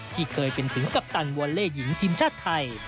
ที่เคยเป็นถึงกัปตันวอลเล่หญิงทีมชาติไทย